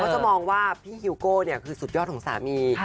จะมองว่าพี่ฮิวโก้คือสุดยอดของสามี